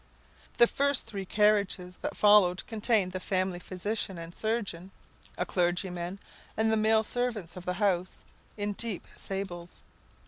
The first three carriages that followed contained the family physician and surgeon, a clergyman, and the male servants of the house, in deep sables.